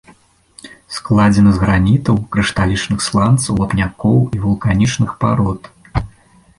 Складзены з гранітаў, крышталічных сланцаў, вапнякоў і вулканічных парод.